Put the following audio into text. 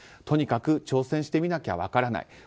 とにかく挑戦してみなきゃ分からない。